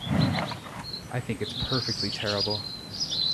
I think it's perfectly terrible!